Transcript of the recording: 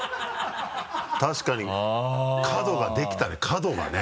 確かに角ができたね角がね。